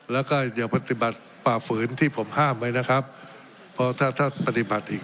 แล้วก็อย่าปฏิบัติฝ่าฝืนที่ผมห้ามไว้นะครับเพราะถ้าถ้าปฏิบัติอีก